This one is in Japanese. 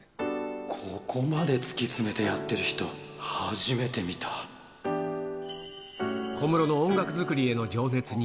ここまで突き詰めてやってる小室の音楽作りへの情熱に